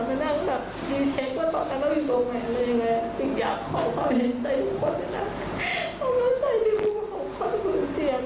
มานั่งดีเช็คว่าตอนนั้นเราอยู่ตรงไหนอะไรอย่างนี้